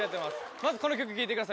まずはこの曲聴いてください。